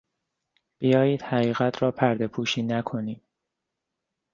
بیایید حقیقت را پرده پوشی نکنیم!